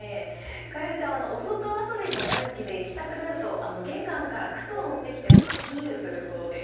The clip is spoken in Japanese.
かえでちゃんはお外遊びも大好きで行きたくなると玄関から靴を持ってきてアピールするそうです。